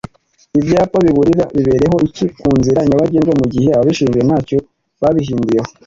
ibyapa biburire bibereyeho iki kunzira nyabagendwa mugihe ababishinzwe ntacyo babihinduyeho